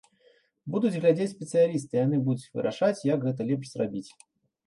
Будуць глядзець спецыялісты, яны будуць вырашаць, як гэта лепш зрабіць.